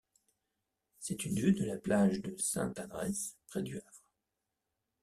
C'est une vue de la plage de Sainte-Adresse, près du Havre.